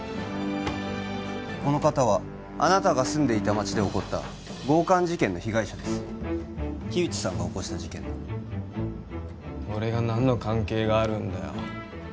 この方はあなたが住んでいた町で起こった強姦事件の被害者です木内さんが起こした事件の俺が何の関係があるんだよ